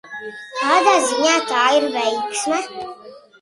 Kādā ziņā tā ir veiksme?